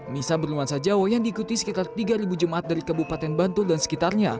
misa berluansa jawa yang diikuti sekitar tiga ribu jemaat dari kebupaten bantul dan sekitarnya